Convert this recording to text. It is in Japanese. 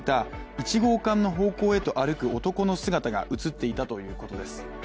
１号館の方向へ歩く男の姿が映っていたということです。